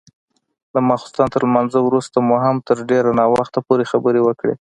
د ماخستن تر لمانځه وروسته مو هم تر ډېر ناوخته پورې خبرې وکړې.